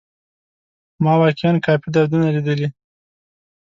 ما واقيعا کافي دردونه ليدلي.